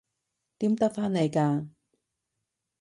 點得返嚟㗎？